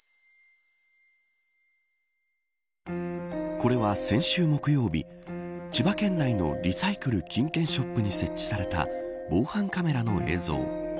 これは先週木曜日千葉県内のリサイクル・金券ショップに設置された防犯カメラの映像。